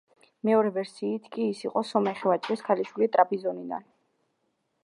მეორე ვერსიით კი ის იყო სომეხი ვაჭრის ქალიშვილი ტრაპიზონიდან.